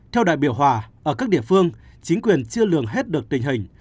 theo đại biểu hòa ở các địa phương chính quyền chưa lường hết được tình hình